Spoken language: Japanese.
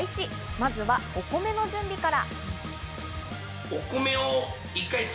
まずはお米の準備から。